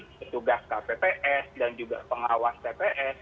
petugas kpps dan juga pengawas tps